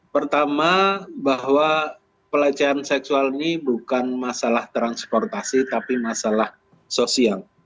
pertama bahwa pelecehan seksual ini bukan masalah transportasi tapi masalah sosial